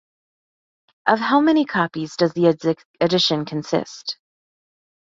Of how many copies does the edition consist?